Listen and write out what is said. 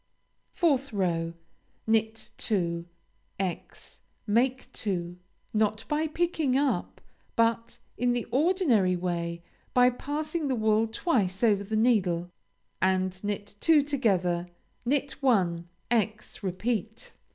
4th row Knit two; × make two (not by picking up, but in the ordinary way, by passing the wool twice over the needle), and knit two together; knit one; × repeat.